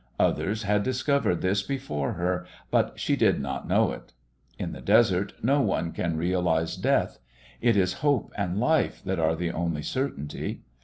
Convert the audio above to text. Others had discovered this before her, but she did not know it. In the desert no one can realise death: it is hope and life that are the only certainty.